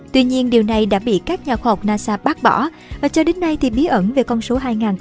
tuy nhiên điều này đã bị các nhà khoa học nasa bác bỏ và cho đến nay thì bí ẩn về con số hai nghìn một mươi hai